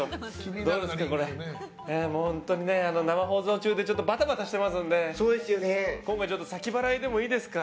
本当に生放送中でちょっとバタバタしていますので今回、先払いでもいいですか？